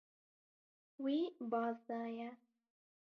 Wî baz daye.